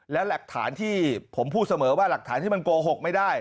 แล้วหลักฐานที่ผมพูดเสมอว่าหลักฐานที่มันโกหกไม่ได้